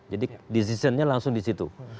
jadi decision nya langsung di situ